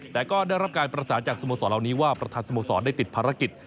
แต่ก็ได้รับการประสานจากสโมสรเหล่านี้ว่าประธานสโมสรได้ติดภารกิจ